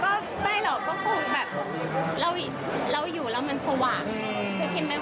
คือคิมเป็นคนที่ชอบอยู่ในที่สว่าง